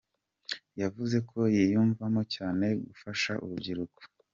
Yavuze ko yiyumvamo cyane gufasha urubyiruko.